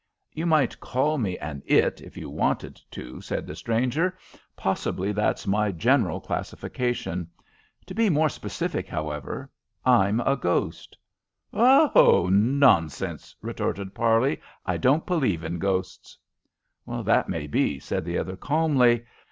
"You might call me an It if you wanted to," said the stranger. "Possibly that's my general classification. To be more specific, however, I'm a ghost." "Ho! Nonsense'" retorted Parley. "I don't believe in ghosts." "That may be," said the other, calmly.